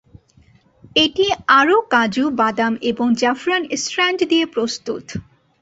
এটি আরও কাজু, বাদাম এবং জাফরান স্ট্র্যান্ড দিয়ে প্রস্তুত।